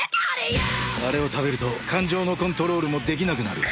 あれを食べると感情のコントロールもできなくなる。